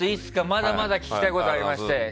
まだまだ聞きたいことがありまして。